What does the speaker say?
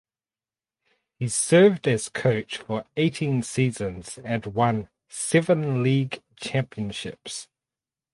He served as coach for eighteen seasons and won seven league championships.